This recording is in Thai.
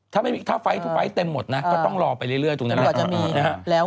ถ้าไฟท์เต็มหมดนะก็ต้องรอไปเรื่อยตรงนั้น